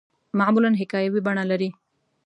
معمولاً حکایوي بڼه لري.